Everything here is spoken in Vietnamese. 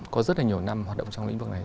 có rất là nhiều năm hoạt động trong lĩnh vực này